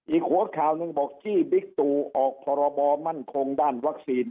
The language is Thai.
อีกหัวข่าวหนึ่งบอกที่บิ๊กตูออกพรบมั่นคงด้านวัคซีน